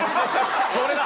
それだ！